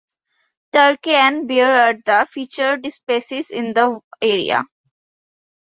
Turkey and bear are the featured species in the area.